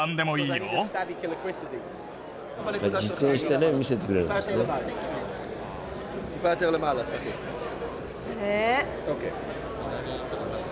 実演してね見せてくれるんですね。